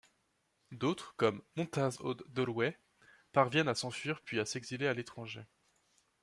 D'autres, comme Momtaz od-Dowleh, parviennent à s'enfuir puis à s'exiler à l'étranger.